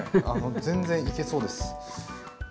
全然いけそうです。